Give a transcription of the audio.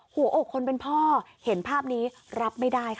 หัวอกคนเป็นพ่อเห็นภาพนี้รับไม่ได้ค่ะ